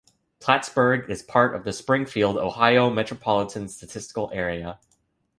Plattsburgh is part of the Springfield, Ohio Metropolitan Statistical Area.